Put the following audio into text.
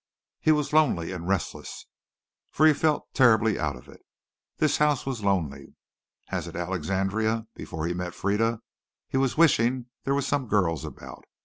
He was lonely and restless, for he felt terribly out of it. This house was lonely. As at Alexandria, before he met Frieda, he was wishing there were some girls about.